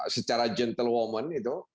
secara gentlewoman itu